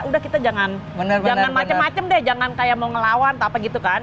udah kita jangan macam macam deh jangan kayak mau ngelawan atau apa gitu kan